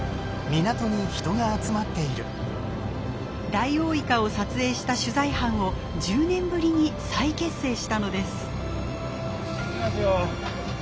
ダイオウイカを撮影した取材班を１０年ぶりに再結成したのです。